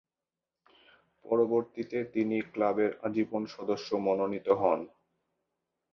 পরবর্তীতে তিনি ক্লাবের আজীবন সদস্য মনোনীত হন।